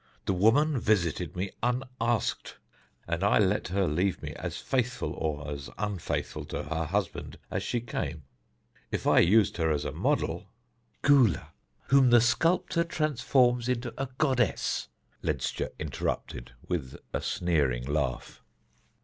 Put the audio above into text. "The woman visited me unasked, and I let her leave me as faithful or as unfaithful to her husband as she came. If I used her as a model " "Gula, whom the sculptor transforms into a goddess," Ledscha interrupted, with a sneering laugh.